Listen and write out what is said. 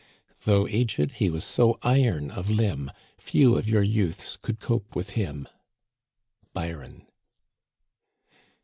Though aged, he was so iron of limb Few of your youths could cope with him. Byron.